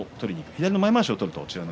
左の前まわしを取ると美ノ